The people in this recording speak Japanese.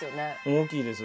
大きいです。